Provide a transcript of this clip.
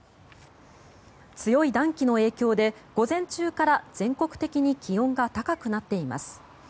強い暖気の影響で午前中から全国的に気温が高くなっています。